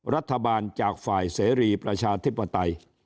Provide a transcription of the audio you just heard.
รัฐบาลจากฝ่ายเสรีประชาธิปไตย